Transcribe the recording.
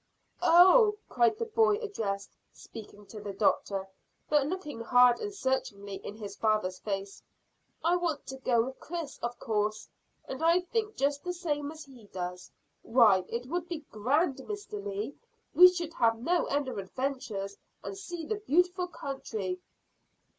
"Oh," cried the boy addressed, speaking to the doctor, but looking hard and searchingly in his father's face, "I want to go with Chris, of course, and I think just the same as he does. Why, it would be grand, Mr Lee. We should have no end of adventures, and see the beautiful country."